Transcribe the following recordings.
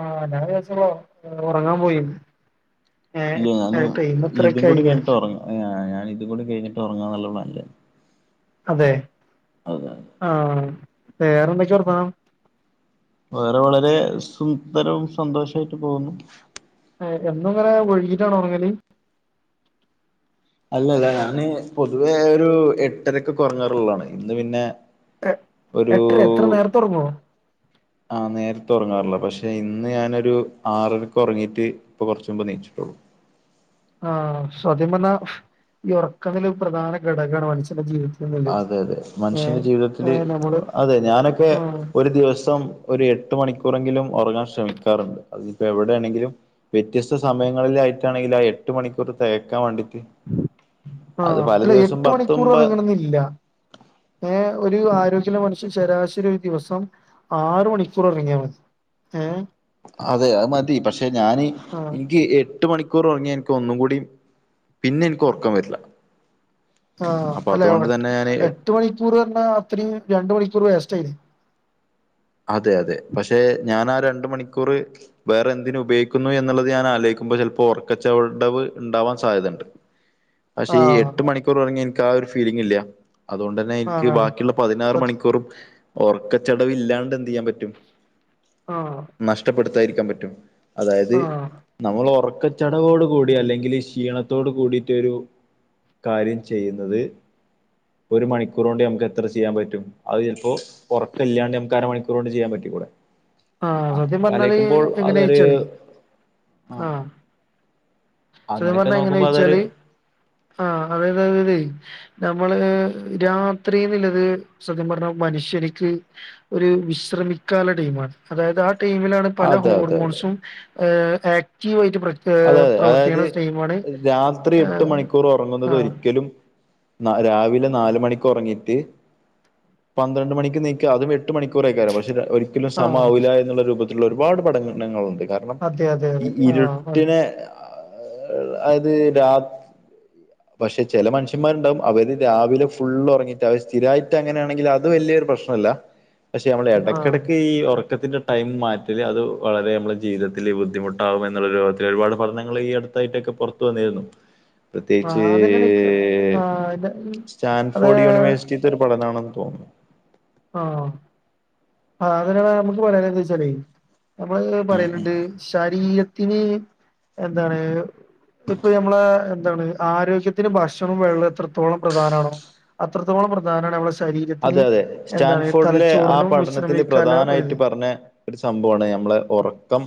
ആഹ് ഞാൻ വിചാരിച്ചു നിങ്ങൾ ഉറങ്ങാൻ പോയീന്ന് ഏഹ് ടൈം ഇത്രൊക്കെ ആയില്ലെ ഏഹ് അ ഞാൻ ഇത് കൂടി കഴിഞ്ഞിട്ട് ഉറങ്ങാന്നുള്ള പ്ലാനില അതെ അതെ ആഹ് വേറെന്തൊക്കെ വർത്താനം വേറെ വളരെ സുന്ദരവും സന്തോഷമായിട്ട് പോകുന്നു ഏഹ് എന്നും ഇങ്ങനെ വൈകീട്ടാണോ ഒറങ്ങല്? അല്ലല്ല ഞാന് പൊതുവേ ഒരു എട്ടരക്കൊക്കെ ഒറങ്ങാറുള്ളതാണ് ഇന്ന് പിന്നെ എ ഒരു എട്ടര ഇത്ര നേരത്തെ ഒറങ്ങോ? ആഹ് നേരത്തെ ഒറങ്ങാറ്ള്ളതാ പക്ഷെ ഇന്ന് ഞാനൊരു ആറരക്ക് ഒറങ്ങീറ്റ് ഇപ്പ കൊറച്ച് മുമ്പ് എണീച്ചിട്ടോള്ളൂ ആഹ് സത്യം പറഞ്ഞാ ഈ ഒറക്ക [unintelligible] ഒരു പ്രധാന ഘടകാണ് മനുഷ്യന്റെ ജീവിതത്തില് അതെ അതെ മനുഷ്യന്റെ ജീവിതത്തില് നമ്മള് അതെ ഞാനൊക്കെ ആഹ് ഒരു ദിവസം ഒരു എട്ട് മണിക്കൂറെങ്കിലും ഒറങ്ങാൻ ശ്രമിക്കാറുണ്ട് അതിപ്പോ എവിടാണെങ്കിലും വ്യത്യസ്ത സമയങ്ങളിലായിട്ടാണെങ്കിൽ ആ എട്ട് മണിക്കൂർ തികക്കാൻ വേണ്ടിട്ട് അത് ആഹ് പല അല്ല ദിവസം എട്ട് പത്തും മണിക്കൂർ പ ഒറങ്ങണന്നില്ല ഏഹ് ഒരു ആരോഗ്യള്ള മനുഷ്യൻ ശരാശരി ഒരു ദിവസം ആറ് മണിക്കൂർ ഒറങ്ങിയാ മതി. ഏഹ് അതെ അത് മതി പക്ഷെ ഞാന് ആഹ് ഇനിക്ക് എട്ട് എട്ട് മണിക്കൂർ ഒറങ്ങിയാ ഇനിക്ക് ഒന്നും കൂടി പിന്നെ എനിക്ക് ഉറക്കം വരില്ല ആഹ് അപ്പൊ അല്ല അതുകൊണ്ട് എട്ട് തന്നെ ഞാന് എട്ട് മണിക്കൂറ് പറഞ്ഞാ അത്രയും രണ്ട് മണിക്കൂർ വേസ്റ്റായി അതെ അതെ പക്ഷേ ഞാനാ രണ്ട് മണിക്കൂറ് വേറെ എന്തിന് ഉപയോഗിക്കുന്നു എന്നുള്ളത് ഞാൻ ആലോചിക്കുമ്പോ ചെലപ്പോ ഒറക്കച്ചവടവ് ഇണ്ടാവാൻ സാധ്യതയുണ്ട് പക്ഷെ ഈ ആഹ് എട്ട് മണിക്കൂർ ഒറങ്ങിയാ എനിക്ക് ആ ഒരു ഫീലിംഗ് ഇല്ല അതുകൊണ്ട് തന്നെ എനിക്ക് ആണാണ് ബാക്കിയുള്ള പതിനാറ് സത്യം മണിക്കൂറും ഒറക്കച്ചടവ് ഇല്ലാണ്ട് എന്ത് ചെയ്യാൻ പറ്റും ആഹ് നഷ്ട്ടപ്പെടുത്താതിരിക്കാൻ പറ്റും അതായത് ആഹ് നമ്മള് ഒറക്കച്ചടവോട് കൂടി അല്ലെങ്കില് ക്ഷീണത്തോട് കൂടിയൊരു കാര്യം ചെയ്യുന്നത് ഒരു മണിക്കൂറൊണ്ട് നമുക്ക് എത്ര ചെയ്യാൻ പറ്റും അത് ചെലപ്പോ ഒറക്കില്ലാണ്ട് നമുക്ക് അരമണി ക്കൂറ് കൊണ്ട് ചെയ്യാൻ പറ്റിക്കൂടെ ആഹ് സത്യം അങ്ങനൊക്കെ പറഞ്ഞാല് ആലോയ്ക്കുമ്പോൾ അതൊരു എങ്ങനെച്ചാലേ ആഹ് [unintelligible] ചോയിച്ചാല് ആ അത് [unintelligible] നമ്മള് രാത്രി എന്ന്ള്ളത് സത്യം പറഞ്ഞാ മനുഷ്യനിക്ക് ഒരു വിശ്രമിക്കാനുള്ള ടൈമാണ് അതായത് ആ ടൈമിലാണ് പല അതെ അതെ അതെ ഹോർമോൺസും ഏഹ് ആക്റ്റീവ് ആയിട്ട് പ്ര അതെ ഏഹ് അതെ അതായത് പ്രവർത്തിക്കുന്ന ടൈമാണ് രാത്രി ആഹ് എട്ട് മണിക്കൂർ ഒറങ്ങുന്നത് ഒരിക്കലും ന രാവിലെ നാല് മണിക്ക് ഒറങ്ങീറ്റ് പന്ത്രണ്ട് മണിക്ക് നീക്കാ അത് വെ എട്ട് മണിക്കൂറൊക്കെ ആവാം പക്ഷെ ഒരിക്കലും ആഹ് സമാവില്ല എന്നുള്ള രൂപത്തിലുള്ള ഒരുപാട് പഠനങ്ങളുണ്ട് കാര ണം അതെ അതെ ഇ അതെ ആഹ് ആണ് ഇരുട്ടിനെ ആഹ് അതായത് രാത് പക്ഷെ ചെല മനുഷന്മാരുണ്ടാവും അവര് രാവിലെ ഫുള്ള് ഒറങ്ങീട്ട് അവര് സ്ഥിരായിട്ട് അങ്ങനെയാണെങ്കിൽ അത് വലിയൊരു പ്രശ്നല്ല പക്ഷേ നമ്മള് ആഹ് എടക്കെടക്ക് ഈ ഒറക്കത്തിന്റെ ടൈം മാറ്റല് അത് വളരെ നമ്മളെ ജീവിതത്തില് ബുദ്ധിമുട്ടാവും എന്നുള്ളൊരു ഒരുപാട് പഠനങ്ങള് ഈ അടുത്തായിട്ടൊക്കെ പൊറത്തു വന്നിരുന്നു പ്രത്യേകിച്ച് ആഹ് അതന്നെയാണ് ഇക്ക് ആഹ് ഇത് അത് സ്റ്റാൻഫോർഡ് യൂണിവേഴ്സിറ്റി ഇതൊരു പഠനാണെന്ന് തോനുന്നു ആഹ് അ അങ്ങനാണേ നമ്മക്ക് പറയാന് ന്ന് വെച്ചാലേ നമ്മള് ഉം പറയല്ണ്ട് ശരീരത്തിന് എന്താണ് ഇപ്പം ഞമ്മളെ എന്താണ് ആരോഗ്യത്തിന് ഭക്ഷണവും വെള്ളോം എത്രത്തോളം പ്രധാനാണോ അത്രത്തോളം പ്രധാനാണ് നമ്മളെ ശരീരത്തിന് അതെ അതെ എന്താണ് സ്റ്റാൻഫോർഡിലെ ആ തലച്ചോറിനും പഠനത്തില് വിശ്രമിക്കാനുള്ള പ്രധാനായിട്ട് ഒരിത് പറഞ്ഞെ ഒരു സംഭവാണ് ഞമ്മളെ ഒറക്കം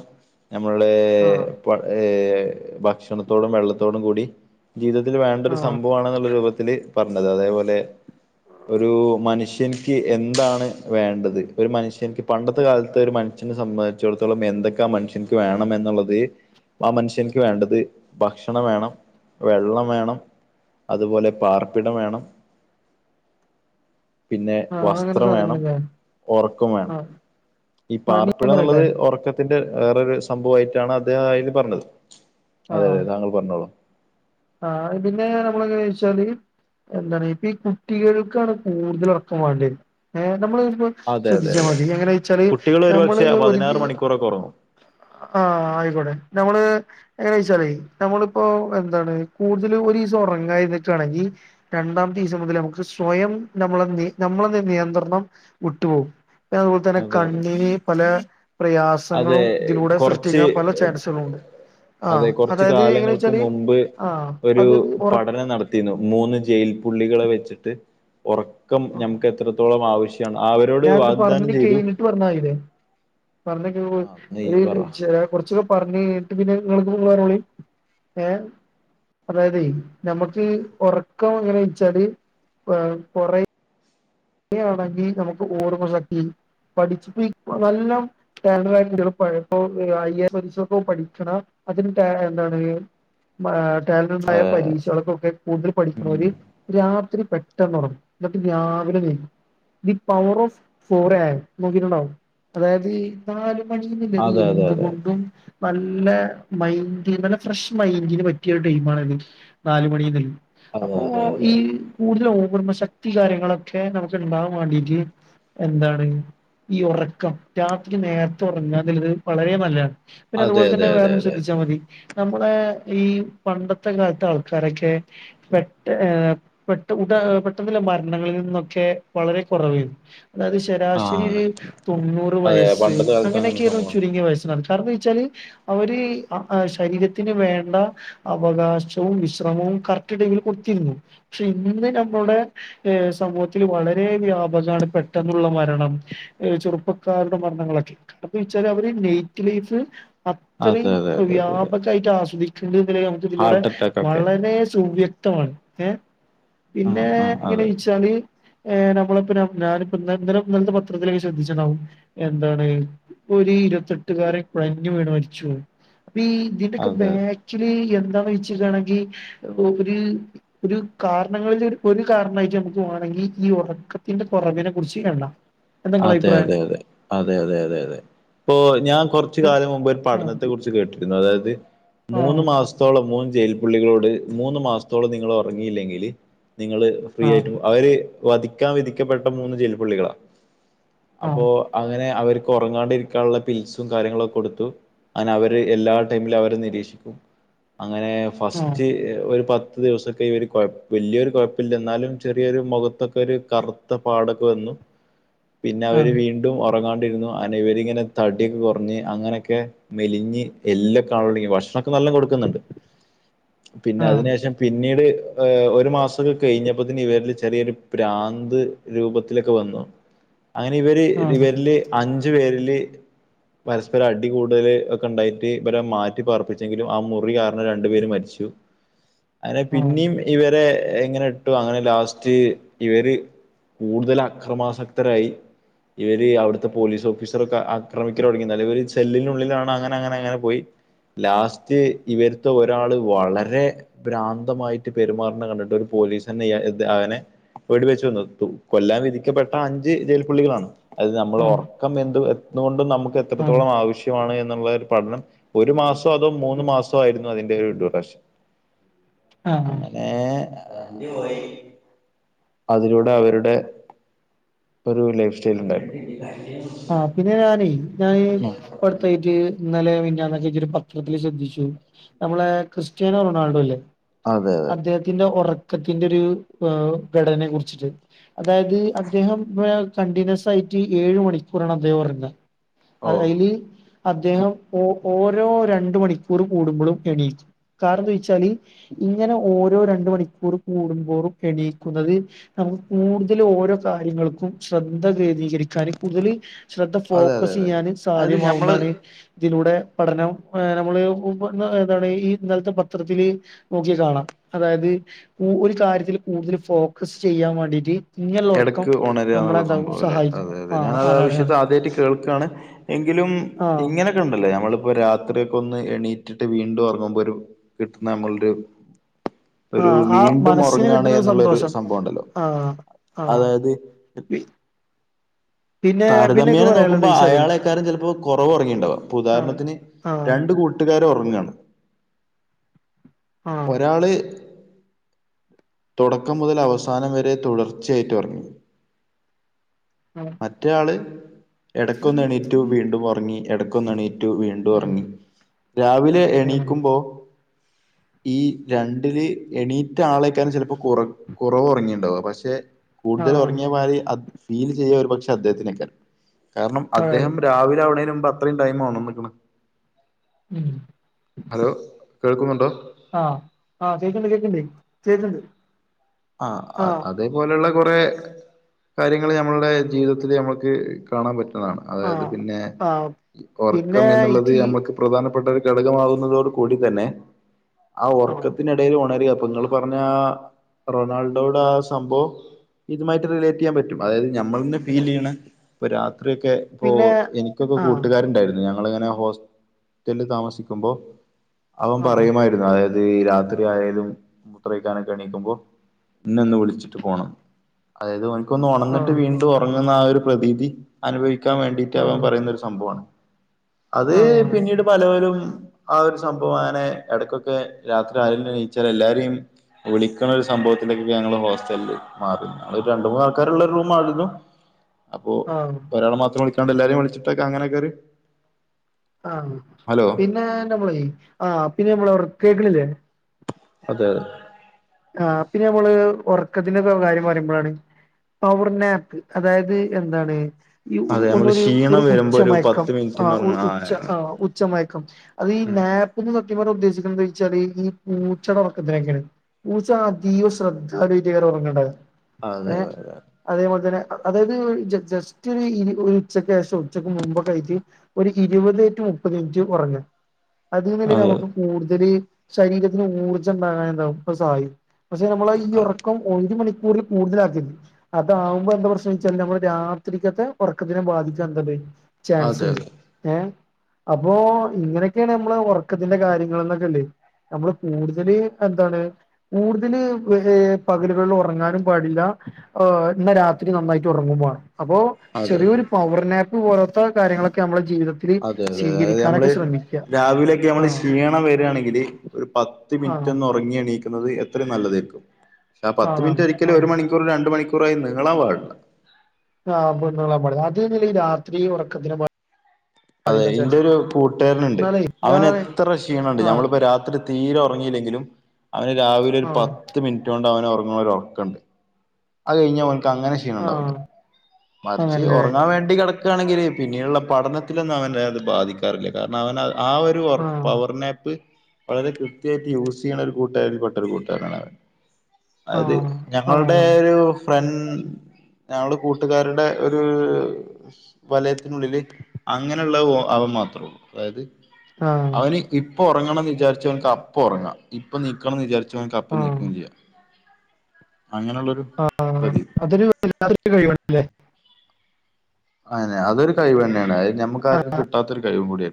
ഞമ്മള് ആഹ് [unintelligible] ഏഹ് ഭക്ഷണത്തോടും വെള്ളത്തോടും കൂടി ജീവിതത്തിൽ വേണ്ട ഒരു ആഹ് സംഭവാണെന്നുള്ള രൂപ ത്തില് പറഞ്ഞത് അതേപോലെ ഒരു മനുഷ്യനിക്ക് എന്താണ് വേണ്ടത് ഒരു മനുഷ്യന്ക്ക് പണ്ടത്തെ കാലത്ത് ഒരു മൻ ഷ്യനെ സംബന്ധിച്ചിടത്തോളം എന്തൊക്കാ മനുഷ്യൻക്ക് വേണം എന്നുള്ളത് ആ മനുഷ്യനിക്ക് വേണ്ടത് ഭക്ഷണം വേണം വെള്ളം വേണം അതുപോലെ പാർപ്പിടം വേണം പിന്നെ ആഹ് അങ്ങനെ വസ്ത്രം വേണം സാധനങ്ങളില്ലേ ഒറക്കം വേണം ആഹ് ഈ ആഹ് ഇനി ഞാൻ പറയട്ടെ പാർപ്പിടന്നുള്ളത് ഒറക്ക ത്തിന്റെ വേറൊരു സംഭവായിട്ടാണ് അദ്ദേഹം അയില് പറഞ്ഞത് അതെ അതെ താങ്കൾ പറഞ്ഞോളൂ ആഹ് പിന്നെ നമ്മള് ചെറിയ എന്താണ് ഇപ്പം ഈ കുട്ടികൾക്കാണ് കൂടുതൽ ഒറക്കം വാണ്ടിയെ ഏ നമ്മള് [unintelligible] അതെ അതെ ശ്രദ്ധിച്ചാ അതെ മതി എങ്ങനെ വെച്ചാല് കുട്ടികൾ നമ്മള് ഒരുപക്ഷെ പതിനാറ് ഒരുതിയ മണിക്കൂറൊക്കെ ഉറങ്ങും ആഹ് ആയിക്കോട്ടെ നമ്മള് എങ്ങനെയാ വെച്ചാലേ നമ്മളിപ്പോ എന്താണ് കൂടുതല് ഒരീസം ഒറങ്ങാ ഇരുന്നിട്ടാണെങ്കി രണ്ടാമത്തീസം മുതല് നമുക്ക് സ്വയം നമ്മളന്നി നമ്മളെന്ന നിയന്ത്രണം വിട്ടുപോവും പിന്നെ അതുപോൽ തന്നെ അതെ അതെ കണ്ണിന് പല അതെ പ്രയാസങ്ങളും ഇതിലൂടെ കുറച്ച് സൃഷ്ടിക്കാൻ പല ചാൻസുകളും ഉണ്ട് അതെ ആഹ് കുറച്ച് അതായത് എങ്ങന കാലങ്ങൾക്ക് വെച്ചാല് മുമ്പ് ആഹ് ഒരു പഠനം നടത്തീന്നു മൂന്ന് ജയിൽ പുള്ളികളെ വെച്ചിട്ട് ഒറ ക്കം ഞംക്ക് എത്രത്തോളം ആവശ്യാണ് അവരോട് വാഗ്ദാനം ചെയ്തു [unintelligible] കൊറച്ച് ആ നീ പറ പറഞ്ഞു കഴിഞ്ഞിട്ട് പിന്നെ നിങ്ങള് പോവർഞ്ഞൊളി ഏ അതായതെ നമ്മക്ക് ഒറക്കം എങ്ങനെ വെച്ചാല് കൊറേ ഒറങ്ങി നമുക്ക് ഓർമ്മ ശക്തി പഠിച്ചിട്ട് നല്ലോം സ്റ്റാൻ്റേഡ് [unintelligible] പഠിക്കണം അതിന് ടാ എന്താണ് മാ ടാലൻ്റട് ആയ അതെ പരീഷ് ചെലപ്പൊക്കെ കൂടുതൽ ഉം. പഠിക്കണോര് രാത്രി പെട്ടെന്ന് ഒറങ്ങും എന്നിട്ട് രാവിലെ എണീ ദി പവർ ഓഫ് ഫോർ ഏ നോക്കിട്ടുണ്ടാവും അതായത് ഈ നാലു മണീന്നുള്ളത് അതെ അതെ അതെ എന്തുകൊണ്ടും നല്ല മൈൻ്റ് നല്ല ഫ്രഷ് മൈൻ്റിന് പറ്റിയൊരു ടൈമാണത് നാലുമണീന്ന് അതെ അപ്പോ അതെ അതെ ഈ കൂടുതൽ ഓർമ്മ ശക്തി കാര്യങ്ങളൊക്കെ നമുക്ക് ഉണ്ടാവാൻ വാണ്ടിട്ട് എന്താണ് ഈ ഒറക്കം രാത്രി നേരത്തെ ഒറങ്ങാന്നുള്ളത് വളരെ നല്ലതാണ് പിന്നെ അതെ അതുപോല അതെ തന്നെ അതെ വേറെ അതെ അതെ ചിന്തിച്ചാ മതി നമ്മുടെ ഈ പണ്ടത്തെ കാൽത്തെ ആൾക്കാരൊക്കെ പെട്ട് ഏ പെട്ടു ഊട്ട പെട്ടെന്നുള്ള മരണങ്ങളിൽ നിന്നൊക്കെ വളരെ കൊറവായ്ന്നു എന്താന്ന് വെച്ചാ ആ ശരാശരി ഒരു തൊണ്ണൂറ് അതെ വയസ്സ് പണ്ടത്തെ കാലത്ത് അങ്ങനെ അങ്ങനയൊക്കെ ആയ്ന്നു സംഭവമാണ് ചുരുങ്ങിയ വയസിനത് കാരണംന്ന് വെച്ചാല് അവര് ശരീരത്തിന് വേണ്ട അവകാശവും വിശ്രമവും കറക്റ്റ് ടൈമില് കൊടുത്തിരുന്നു പക്ഷെ ഇന്ന് നമ്മുടെ സമൂഹത്തിൽ വളരെ വളരെ വ്യാപകാണ് പെട്ടെന്നുള്ള മരണം ചെറുപ്പക്കാരുടെ മരണങ്ങളൊക്കെ അപ്പൊ ച്ചാല് അവര് നൈറ്റ് ലൈഫ്. അത്രിം അതെ അതെ അതെ അതെ അതെ വ്യാപകായിട്ട് ആസ്വദിക്കേണ്ട. [unintelligible] ഇതിലൂടെ ഹാർട്ട് അറ്റാക്ക് ഒക്കെ വളരെ സു വ്യക്തമാണ് ഏ. ആ പിന്നെ ആ എങ്ങനെ അതെ യ്ച്ചാല്. ഏ നമ്മളിപ്പ ഞാനിപ്പ ഇന്നെ ഇന്നലെ ഇന്നലത്തെ പത്രങ്ങളിലേ ശ്രദ്ധിച്ചുണ്ടാവും എന്താണ്. ഇപ്പൊ ഒരു ഇരുപത്തെട്ടുകാരൻ കുഴഞ്ഞു വീണ് മരിച്ചു അപ്പൊ ഈ ഇതിന്റൊക്കെ അതെ ബക്ക്. ച്ച്വലീ എന്താ ചൊയിച്ചകാണെങ്കില് ഒര്. ഒരു കാരണങ്ങളിലൊരു ഒരു കാരണായിട്ട് നമക്ക് വാണങ്കിൽ. ഈ ഒറക്കത്തിന്റെ കൊറവിനെ കുറിച്ച് വേണ്ട. അതെ അതെ അതെ അതെ അതെ അതെ അതെ. ഇപ്പോ ഞാൻ കൊറ്ച്ച് എ കാലം മുമ്പ് ഒരു പഠനത്തെ ആഹ് കുറിച്ച് കേട്ടിരുന്നു അതായത് മൂന്ന് ആഹ് മാസം. ത്തോളം മൂന്ന് ജയിൽപുള്ളികളോട് മൂന്ന് മാസത്തോളം നിങ്ങൾ ഒറങ്ങിയില്ലെങ്കിൽ നിങ്ങള്. ഫ്രീ ആയിട്ടും അവര് വധിക്കാൻ വിധിക്കപ്പെട്ട മൂന്ന് ജെയിൽപുള്ളികളാ. അപ്പോ ആഹ് അങ്ങനെ അവർക്ക് ഒറങ്ങാണ്ടിരിക്കാൻള്ള പീൽസും കാര്യങ്ങളൊക്കെ കൊടുത്തു. അങ്ങനെ അവര് എല്ലാ ടൈമിലും അവരെ നിരീക്ഷിക്കും അങ്ങനെ ആഹ് ഫസ്റ്റ് എ. ഒരു പത്ത് ദിവസൊക്കെ ഇവര് കൊഴ വല്ല്യൊരു കൊഴപ്പല്ല്യ ന്നാലും ചെറിയൊരു മൊഖത്തൊക്കെ ഒരു കറു. ത്ത പ്പാടൊക്കെ വന്നു. പിന്നെ അവര് ആഹ് വീണ്ടും ഒറങ്ങാണ്ടിരുന്നു അനെ ഇവരിങ്ങനെ തടിം കൊറഞ്ഞ് അങ്ങനെയൊക്കെ. മെലിഞ്ഞ് എല്ലൊക്കെ കാണലൊട്ങ്ങി ഭക്ഷണൊക്കെ നല്ലണം കൊടുക്കുന്നുണ്ട്. പിന്നെ ആഹ് അതിനേഷം പിന്നീട് ഏ ഒരു മാസൊക്കെ കഴിഞ്ഞപ്പത്തന് ഇവരിൽ ചെറിയൊരു. പ്രാന്ത് രൂപത്തിലൊക്കെ വന്നോ? അങ്ങനെ ഇവര് ആഹ് ഇവരില് അഞ്ചു പേരില്. പരസ്പരം അടി കൂടുതൽ ഒക്കെ ഉണ്ടായിട്ട് ഇ വരെമാറ്റി പാർപ്പിച്ചെങ്കിലും ആ മുറി കാരണം രണ്ടുപേരും മരിച്ചു. അതെ ആഹ് ആഹ് പിന്നിം. ഇവരെ ഇങ്ങനെ ഇട്ടു അങ്ങനെ ലാസ്റ്റ് ഇവര് കൂടുതൽ അക്രമാസക്. ഇത്രായ്. ഇവര് അവിടുത്തെ പോലീസ് ഓഫീസറൊക്കെ ആക്രമിക്കൽ തൊടങ്ങി. നെലവിൽ സെല്ലിനുള്ളിലാണ് അങ്ങനെ അങ്ങനെ അങ്ങനെ പോയി. ലാസ്റ്റ് ഇവര്ത്തെ ഒരാള് വളരെ. ഭ്രാന്തമായിട്ട് പെരുമാറണ കണ്ടിട്ട് ഒരു പോലീസന്നെ ഇയാ അങ്ങനെ. വെടി വെച്ച് കൊന്നത്തു കൊല്ലാൻ വിധിക്കപ്പെ. ആ അഞ്ച് ജയിൽപ്പുള്ളികളാണ് അത് നമ്മൾ ആഹ് ഒറക്കം എന്ത് എന്തുകൊണ്ടും നമുക്ക് ആഹ് എത്രത്തോളം ആവശ്യ. ശ്യമാണ് എന്നുള്ളരു പഠനം ഒരു മാസോ അതോ മൂന്ന് മാസോ ആയിരുന്നു അതിന്റെ ഒരു ഡ്യൂറേഷൻ. ആഹ് ആഹ്. ഏ അതിലൂടെ അവരുടെ. ഒരു ലൈഫ് സ്റ്റൈൽ ഉണ്ടായിരുന്നു. ആഹ പിന്നെ ഞാനെ ഞൻ. അതെ പ്പടുത്തായിട്ട് ഇന്നലെ മിഞ്ഞാന്നൊക്കെയ്റ്റ് ഒരു പത്രത്തിൽ ശ്രദ്ധിച്ചു. നമ്മളെ ക്രിസ്ത്യാനോ റൊണാൾഡോ ഇല്ലേ അതെ അദ്ദേഹത്തിന്റെ ഒറ. ക്കത്തിന്റെ ഒരു ഏ ഘടനയെ കുറിച്ചിട്ട്. അതായത് അദ്ദേഹം കണ്ടിന്യൂസ് ആയിട്ട് ഏഴ് മണി. ക്കൂറാണ് അദ്ദേഹം ഒറങ്ങ ഓ അത് അയ്ൽ. അദ്ദേഹം ഒ ഓരോ രണ്ട് മണിക്കൂർ കൂടുമ്പോളും എണീക്കും. കാരണം ന്താചോയ്ച്ചാല്. ഇങ്ങനെ ഓരോ രണ്ട് മണിക്കൂർ കൂടുന്തോറും എണീക്കുന്നത്. നമ്മ കൂടുതൽ ഓരോ കാര്യങ്ങൾക്കും ശ്രദ്ധ കേന്ദ്രീകരിക്കാൻ കൂടുതൽ. ശ്രദ്ധ അതെ അതെ ഫോക്കസ് അതെ ചെയ്യാന് അതായത് ഞമ്മള് സാധ്യമാവുന്നാണ്. ഇതിലൂടെ പഠനം ഏ നമ്മള് [unintelligible] എതാണ് ഈ ഇന്നൽത്തെ പത്രത്തില്. നോക്കികാണാം അതായത് ഒരു കാര്യത്തിൽ കൂടുതൽ ഫോക്കസ് ചെയ്യാൻ വാണ്ടീട്ട്. ഇങ്ങനള്ളോർക്കം ഇടക്ക് നമ്മളെ ന്താവും സഹായിക്കും. ആ ആണ് ആണ് വിശത്തെ ആണ് ആദ്യയിട്ട് കേൾക്കണ് എങ്കിലും ആഹ് ഇങ്ങനെ ണ്ടല്ലേ നമ്മളിപ്പോൊ രാത്രിയോക്കെ ഒന്ന് എണീറ്റിട്ട് വീണ്ടും ഒറങ്ങുമ്പോ ഒരു കിട്ടുന്ന നമ്മള്ടെ ആഹ് ആ മനസ്സിന് കിട്ടുന്നോരു എന്നുള്ളൊരു സന്തോഷം സംഭവം ഉണ്ടല്ലോ ആഹ് ആ അതായത് ബി താരതമ്യേനെ നോക്കുമ്പോ അയാളെക്കാരം ചിലപ്പോ കുറവോറങ്ങിണ്ടാവ പ്പൊ ആഹ് ഉദാരനത്തിന് ആഹ് രണ്ട് കൂട്ടി ട്ടുകാരൊറങ്ങാണ് ആഹ് ഒരാള് തുടക്കം മുതല് അവസാനം വരെ തുടർച്ചയായിറ്റൊറങ്ങി ആഹ് മറ്റയാള് എടക്കൊന്ന് എണീറ്റു വീണ്ടും ഒറങ്ങി എടക്കൊന്ന് എണീ റ്റു ഉം വീണ്ടുഒറങ്ങി രാവിലെ ഉം എണീക്കുമ്പോ ഈ രണ്ടില് എണീറ്റ ആളെ ചെലപ്പോ കുറവൊറങ്ങിണ്ടാവ പക്ഷെ ആഹ് കൂടുതലൊറങ്ങിയമാരി അദ് - ഫീൽ ചെയ്യൊരു പക്ഷെ അദ്ദേഹത്തിനികാരം കാരണം ആഹ് അദ്ദേഹം രാവിലാവണേന്മുമ്പ അത്രയും ടൈമൊണന്നിക്ക്ണ് ഉം ഹലോ കേൾക്കുന്നുണ്ടോ? ആഹ് ആഹ കേക്കണ്ട് കേക്കണ്ട് ച്ചേക്ക്ണ്ട് ആ അതേപോലുള്ള കുറെ കാര്യങ്ങൾ ഞമ്മളുടെ ജീവിതത്തില് നമ്മക്ക് കാണാപറ്റുന്നതാണ് അതായത് ആഹ് പിന്നെ ആഹ് ഉറക്കം പിന്നെ എന്നുള്ളത് ഇക്കി നമ്മക്ക് പ്രധാനപ്പെട്ട ഒരു ഘടകമാകുന്നതോട് കൂടി തന്നെ ആ ആഹ് ഒർക്കത്തിനെ ടെല് ഒണരാ പ്പൊ നിങ്ങള് പറഞാ റൊണാൾഡോടെ ആ സംഭവം ഇതുമായിട്ട് റിലേറ്റിയ്യാൻ പറ്റും അതായത് നമ്മളെന്നെ ഫീൽ ചെയ്യ്ണ ഇപ്പോ രാത്രിയൊക്കെ ഓ പിന്നെ എനിക്കൊരു ആഹ് കൂട്ടുകാരുണ്ടായിരുന്നു ഞങ്ങളിങ്ങനെ ഹോസ്റ്റലിൽ താമസിക്കുമ്പോ അവൻ ആഹ് പറയുമായിരുന്നു അതായത് ഈ രാത്രി ആയാലും മുത്രയ്ക്കാനൊക്കെ എണീക്കുമ്പോ ഇന്ന ഒന്ന് വിളിച്ചിട്ട് പോണം അതായത് ഓൻക്കൊന്ന് ഒണന്നിട്ട് ആഹ് വീണ്ടും ഒറങ്ങുന്ന ആ ഒരു പ്രതീതി അനുഭവിക്കാൻ വേണ്ടിട്ടവൻ ആഹ് പറയുന്നൊരു സംഭവണ് അത് ആഹ് പിന്നീട് പലപ്പോരും ആ ഒരു സംഭവം അങ്ങനെ ഇടയ്ക്കൊക്കെ രാത്രി ആരേലു നീച്ചാൽ എല്ലാരെയും വിളിക്കണോരു സംഭവ [unintelligible] ഹോസ്റ്റലിൽ മാറി ഞങ്ങളൊരുരണ്ടുമൂന്നൾക്കാരുള്ളരു റൂമായിരുന്നു അപ്പൊ ആഹ് ഒരാള മാത്രം വിളിക്കാണ്ട് എല്ലാരേം വിളിച്ചിട്ടക്കെ അങ്ങനൊക്കൊര് ആഹ് പിന്നെ [unintelligible] ആഹ് പിന്നെ നമ്മള് വർ കേക്കണില്ലേ അതെ അതെ ആഹ് പിന്നമ്മള് ഒറക്കത്തില് സ്വകര്യം പറയുമ്പഴാണ് പൗർണർനേക്ക് അതായത് എന്താണ്? ഈ അതെ നമ്മള് ഒന്നൊരു ഒരു ക്ഷീണം ഉച്ച വരുമ്പോ ഒരു മയക്കം പത്ത് ആ മിനിറ്റിന് ഉറങ്ങണം ഉച്ച ആ ഉച്ച മയക്കം അത് ഈ ഉം നാപ്പ് ഒന്ന് സത്യപർന്ന ഉദ്ദേശിക്കുന്നത് [unintelligible] ഈ പൂച്ചട ഒറക്കത്തിനക്കാരം പൂച്ച അതീവ ശ്രദ്ധ [unintelligible] ഒറങ്ങണേ ആഹ് അതെ അതെ അതേപോലെ ത്തന്നെ അതായത് ജസ്റ്റ് ഒരു ഇരു ഉച്ചക്ക് ശേഷോ ഉച്ചക്ക് മുമ്പൊക്കായ്ട്ട് ഒരു ഇരുപത്റ്റു മുപ്പത്തിൻറ്റ് ഒറങ്ങ അതീനെ അതെ നമുക്ക് കൂടുതൽ ശരീരത്തിന് ഊർജ്ജ [unintelligible] പസായിക്കും പക്ഷെ നമ്മളെ ഈ അതെ ഒറക്കം ഒരു മണിക്കൂറിൽ കൂടുതലാക്കരുത് അതാവുമ്പോ എന്താ പ്രശ്നം ച്ചാല് നമ്മളെ രാത്രിക്കത്തെ ഉറക്കത്തിനെ ബാധിച്ചാന്താത് അതെ ചാൻസ്ണ്ട് ഏഹ് അപ്പോ ഇങ്ങനെക്കെണ് നമ്മളെ ഒറക്കത്തിന്റെ കാര്യങ്ങളെന്നൊക്കെല്ലേ നമ്മള് കൂടുതല് എന്താണ്? കൂടുതൽ ഏഹ് പകലുകളിൽ ഒറങ്ങാനും പാടില്ല ഏഹ് ഇന്ന രാത്രി നന്നായിറ്റ് ഒറങ്ങും മാണം അപ്പോ അതെ ചെറിയൊരു പവർനാപ്പ് പോലത്തെ കാര്യങ്ങളൊക്കെ നമ്മുടെ ജീവിതത്തി അതെ അതെ അതായത് നമ്മള് രാവിലെക്കെ നമ്മള് ആഹ് ക്ഷീണം വരാണെങ്കില് ഒരു പത്ത് മിനിറ്റ് ആണോ ഒന്ന് ഒറങ്ങിയെണീക്കു ന്നത് എത്ര നല്ലതേര്ക്കും പക്ഷെ ആ പത്ത് ആണാണ് മിനിറ്റ് ഒരിക്കലും ആഹ് ഒരു മണിക്കൂറ് രണ്ട മണിക്കൂറായി നീളാം പാടില്ല ആ [unintelligible] അത് ഈ രാത്രി ഉറക്കത്തി അതെ എന്റൊരു കൂട്ടുകാരന്ണ്ട് എന്നാലേ ഞാൻ അവനെത്ര ക്ഷീണണ്ട് ആഹ് ഞമ്മളിപ്പോ രാത്രി തീരെ ഒറങ്ങിലെങ്കിലും അവന് രാവിലെ ഒരു ആഹ് പത്ത് മിനിറ്റോണ്ട് അവന് ഒറങ്ങണ ഒര് ഒറക്കണ്ട് അയ് കഴിഞാ ഓന്ക്ക് അങ്ങനെ ക്ഷീണണ്ടാവുല്ല ആഹ് മറിച്ച് അങ്ങനെല്ലേ ഒറങ്ങാൻ വേണ്ടി കെടക്കാണെങ്കില് പിന്നീട്ള്ള പഠനത്തിലൊന്നും അവനെ അത് ബാധിക് റില്ല കാരണവന് ആ ഒരു ഒറ ആഹ് പവർനാപ്പ് വളരെ കൃത്യായിട്ട് യൂസ്യ്യണ ഒരു കൂട്ടുക്കാരിൽ പെട്ടൊരു കൂട്ടുകാരാണവൻ അത് ആഹ് ആഹ് ഞങ്ങളുടെയൊരു ഫ്രൺ ഞങ്ങള് കൂ ട്ടുകാരുടെ ഒരൂ വലയത്തിനുള്ളില് അങ്ങനെള്ള ഓഹ് അവൻ മാത്രൊള്ളൂ അതായത് ആഹ് അവന് ഇപ്പൊ ഒറങ്ങണം വിചാരിച്ച ഓന്ക്ക് അപ്പൊ ഒറങ്ങ ഇപ്പൊ നീക്കണം വിചാരി ച്ച ഓന്ക്കപ്പൊ ആഹ് നീക്കും ചെയ്യാ അങ്ങനെള്ളൊരു ആഹ് പ്രതീതി അതൊരു വല്ലാത്ത ഒരു കഴിവാണ്ല്ലേ അയെന്നെ അതൊര് കയിവെന്നെണ് അത് നമുക്കാർക്കും കിട്ടാത്തോരു കഴിവും കൂടിയാണ്